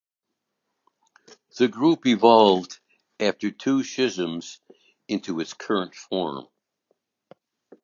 The group evolved after two schisms into its current form.